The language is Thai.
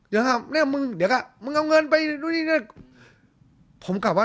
เดี๋ยวครับเนี่ยมึงเดี๋ยวครับมึงเอาเงินไปดูนี่เนี่ยผมกลัวว่า